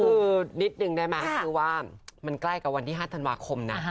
คือนิดนึงได้ไหมคือว่ามันใกล้กับวันที่๕ธันวาคมนะ